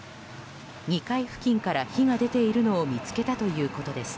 ２階付近から火が出ているのを見つけたということです。